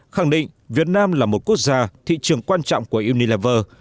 khẳng định việt nam là một quốc gia thị trường quan trọng của unilaver